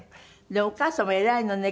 でお母様偉いのね。